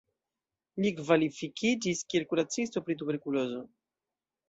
Li kvalifikiĝis kiel kuracisto pri tuberkulozo.